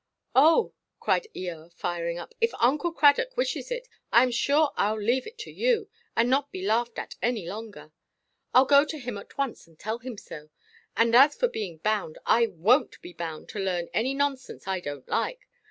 "Oh," cried Eoa, firing up, "if Uncle Cradock wishes it, I am sure Iʼll leave it to you, and not be laughed at any longer. Iʼll go to him at once, and tell him so. And, as for being bound, I wonʼt be bound to learn any nonsense I donʼt like.